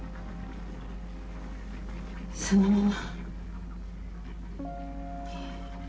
そのまま。